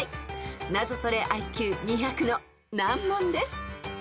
［ナゾトレＩＱ２００の難問です］